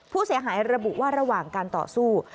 ผู้เสียหายระบุว่าระหว่างการต่อสู้